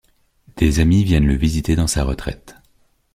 Des amis viennent le visiter dans sa retraite.